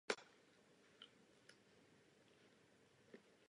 Předmětem ochrany jsou ekosystémy nejvyšších poloh a typická horská karpatská květena.